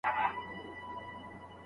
ښځینه قشر ته پاملرنه باید کمه نه وي.